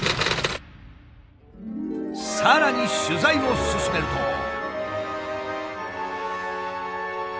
さらに取材を進めると。